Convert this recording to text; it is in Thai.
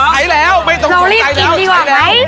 ใช้แล้วไม่ต้องสนใจแล้วใช้แล้วใช้แล้วเรารีบกินดีกว่าไหม